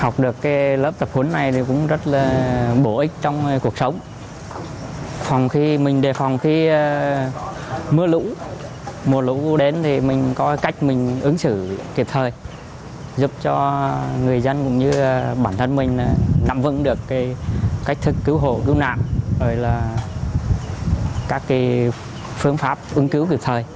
cứu hộ cứu nạn rồi là các phương pháp ứng cứu thực thời